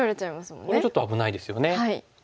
これちょっと危ないですよね。